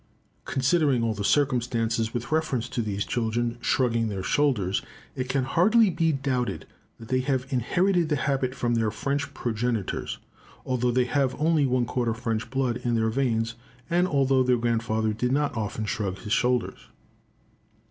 Considering all the circumstances with reference to these children shrugging their shoulders, it can hardly be doubted that they have inherited the habit from their French progenitors, although they have only one quarter French blood in their veins, and although their grandfather did not often shrug his shoulders.